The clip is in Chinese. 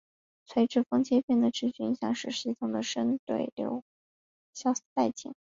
垂直风切变的持续影响使系统的深对流消散殆尽。